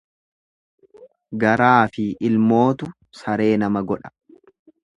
Garaafi ilmootu saree nama godha.